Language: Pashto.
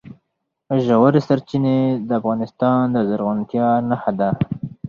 ژورې سرچینې د افغانستان د زرغونتیا نښه ده.